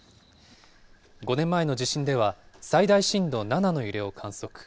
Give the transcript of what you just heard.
５年前の地震では、最大震度７の揺れを観測。